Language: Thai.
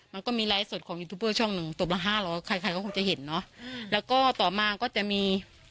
มันก็มีไลฟ์สดของยูทูปเบอร์ช่องหนึ่งตบละห้าร้อยใครใครก็คงจะเห็นเนอะแล้วก็ต่อมาก็จะมี